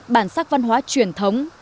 bản sắc văn hóa truyền thống